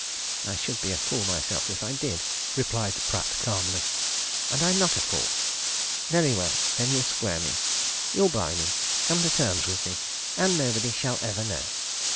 "I should be a fool myself if I did," replied Pratt calmly. "And I'm not a fool. Very well then you'll square me. You'll buy me. Come to terms with me, and nobody shall ever know.